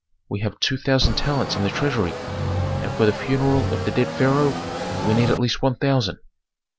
We have two thousand talents in the treasury, and for the funeral of the dead pharaoh we need at least one thousand."